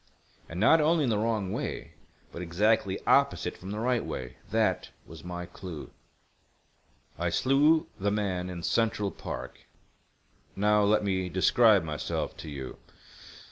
And not only in the wrong way, but exactly opposite from the right way. That was my clue. "I slew the man in Central Park. Now, let me describe myself to you.